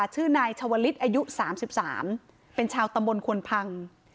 ชื่อนายชวลิศอายุสามสิบสามเป็นชาวตะมนต์คนพัง